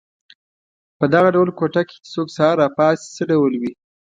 په دغه ډول کوټه کې چې څوک سهار را پاڅي څه ډول وي.